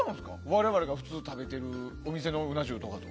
我々が普通食べているお店のうな重と。